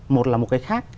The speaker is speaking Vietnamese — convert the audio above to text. một là một cái khác